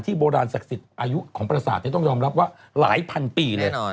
โบราณศักดิ์สิทธิ์อายุของประสาทต้องยอมรับว่าหลายพันปีเลย